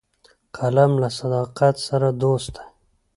قلم له صداقت سره دوست دی